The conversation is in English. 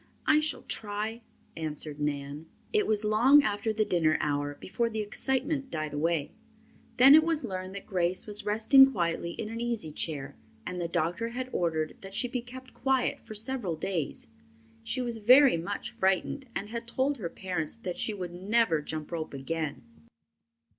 "I shall try," answered Nan. It was long after the dinner hour before the excitement died away. Then it was learned that Grace was resting quietly in an easy chair and the doctor had ordered that she be kept quiet for several days. She was very much frightened and had told her parents that she would never jump rope again.